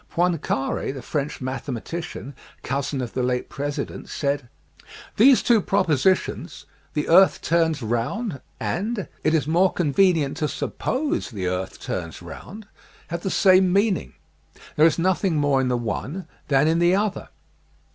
Poincare, the French mathematician, cousin of the late President, said :" These two propositions, ' the earth turns round ' and * it is more convenient to sup pose the earth turns round ' have the same meaning. There is nothing more in the one than in the other."